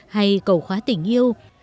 hay cầu khóa tình yêu